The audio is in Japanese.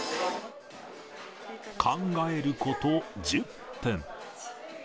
考えること１０分。